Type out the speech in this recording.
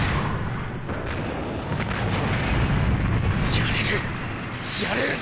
やれるやれるぞ！